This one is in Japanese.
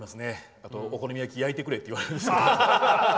あと、お好み焼きを焼いてくれって言われます。